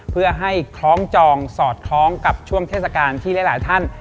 เพื่อให้คล้องจองสอดคล้องกับช่วงเทศกาลที่หลายท่าน